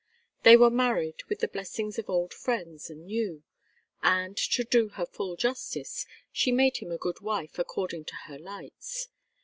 They were married with the blessings of old friends and new, and, to do her full justice, she made him a good wife according to her lights.